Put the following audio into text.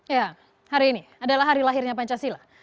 ya hari ini adalah hari lahirnya pancasila